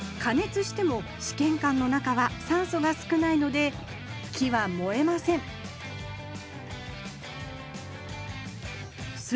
つしてもしけんかんの中は酸素が少ないので木は燃えませんす